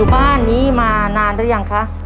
บ้านนี้มานานหรือยังคะ